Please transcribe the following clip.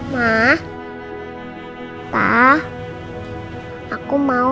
ma ya naturally kita back